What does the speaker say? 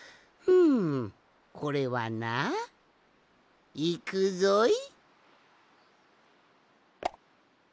んこれはないくぞい。